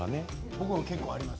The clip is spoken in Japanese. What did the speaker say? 僕、結構あります。